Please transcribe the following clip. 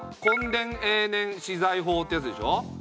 墾田永年私財法ってやつでしょ。